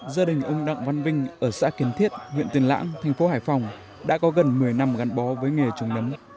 gia đình ông đặng văn vinh ở xã kiến thiết huyện tiền lãng thành phố hải phòng đã có gần một mươi năm gắn bó với nghề trồng nấm